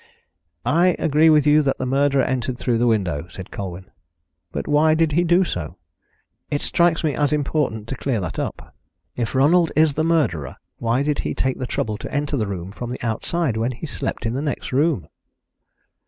"I agree with you that the murderer entered through the window," said Colwyn. "But why did he do so? It strikes me as important to clear that up. If Ronald is the murderer, why did he take the trouble to enter the room from the outside when he slept in the next room?"